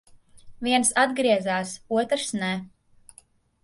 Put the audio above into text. Viens atgriezās, otrs ne.